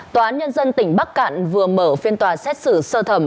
tòa án nhân dân tỉnh bắc cạn vừa mở phiên tòa xét xử sơ thẩm